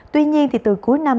tuy nhiên thì từ cuối năm